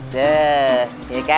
dah ya kan